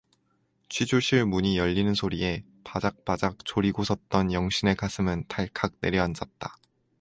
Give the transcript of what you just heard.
취조실 문이 열리는 소리에 바작바작 졸이고 섰던 영신의 가슴은 달칵 내려앉았다.